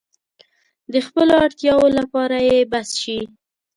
د خپلو اړتیاوو لپاره يې بس شي.